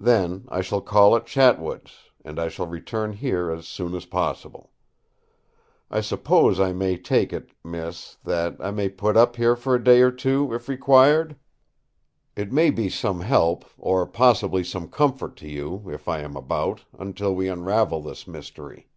Then I shall call at Chatwood's; and I shall return here as soon as possible. I suppose I may take it, miss, that I may put up here for a day or two, if required. It may be some help, or possibly some comfort to you, if I am about, until we unravel this mystery."